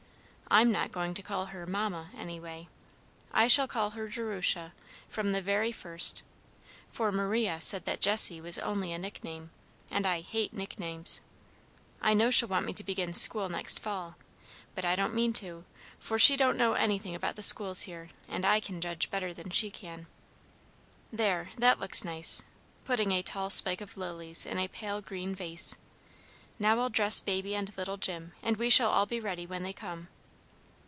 I'm not going to call her 'Mamma,' anyway. I shall call her 'Jerusha,' from the very first; for Maria said that Jessie was only a nickname, and I hate nicknames. I know she'll want me to begin school next fall, but I don't mean to, for she don't know anything about the schools here, and I can judge better than she can. There, that looks nice!" putting a tall spike of lilies in a pale green vase. "Now I'll dress baby and little Jim, and we shall all be ready when they come."